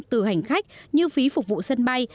từ hành khách như phí phục vụ sân bay